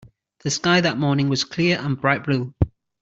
The sky that morning was clear and bright blue.